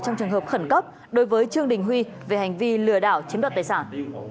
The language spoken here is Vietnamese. trong trường hợp khẩn cấp đối với trương đình huy về hành vi lừa đảo chiếm đoạt tài sản